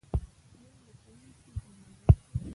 موږ د ښوونکو درناوی کوو.